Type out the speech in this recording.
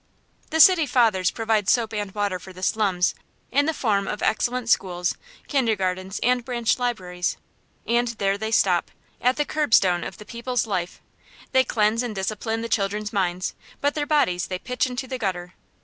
The City Fathers provide soap and water for the slums, in the form of excellent schools, kindergartens, and branch libraries. And there they stop: at the curbstone of the people's life. They cleanse and discipline the children's minds, but their bodies they pitch into the gutter.